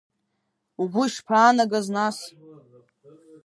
Угәы ишԥаанагаз нас?